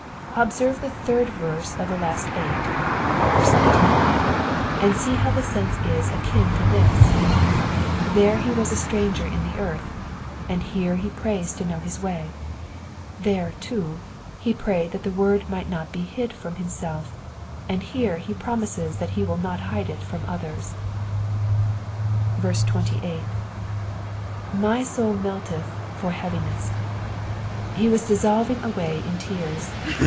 Observe the third verse of the last eight (19), and see how the sense is akin to this. There he was a stranger in the earth, and here he prays to know his way ; there, too, he prayed that the word might not be hid from himself, and here he promises that he wijl not hide it from others. 28. ify soul metteth for heaviness,'*^ He was dissolving away in tears.